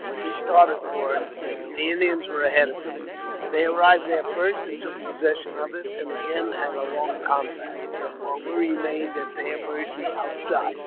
We started for it, but the Indians were ahead of us ; they arrived there first, and took possession of it, and again had a long confab, while we remained at their mercy outside.